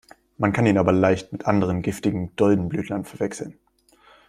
Man kann ihn aber leicht mit anderen, giftigen, Doldenblütlern verwechseln.